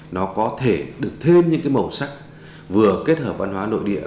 nó có thể được thêm những cái màu sắc vừa kết hợp văn hóa nội địa